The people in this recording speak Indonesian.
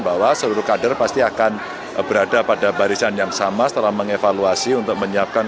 bahwa seluruh kader pasti akan berada pada barisan yang sama setelah mengevaluasi untuk menyiapkan